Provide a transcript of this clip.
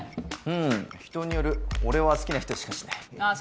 うん人による俺は好きな人しかしないあっ